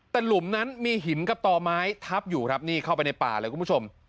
แต่หลุมนั้นมีหินกับต่อไม้ทับอยู่ครับนี่เข้าไปในป่าเลยคุณผู้ชม